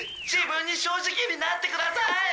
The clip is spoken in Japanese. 自分に正直になってください」